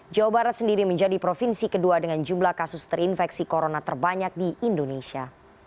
jawa barat sendiri menjadi provinsi kedua dengan jumlah kasus terinfeksi corona terbanyak di indonesia